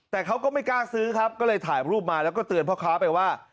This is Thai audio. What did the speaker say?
แต่เขาก็ไม่กล้าซื้อครับก็เลยถ่ายรูปมาแล้วก็เตือนพ่อค้าไปว่า